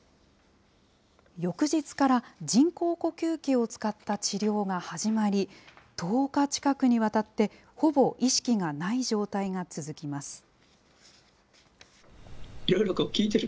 翌日から人工呼吸器を使った治療が始まり、１０日近くにわたって、ほぼ意識がない状態が続きます。